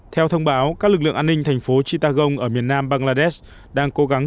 theo thông báo các lực lượng an ninh thành phố chithagon ở miền nam bangladesh đang cố gắng